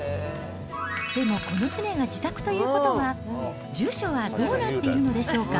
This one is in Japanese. でもこの船が自宅ということは、住所はどうなっているのでしょうか。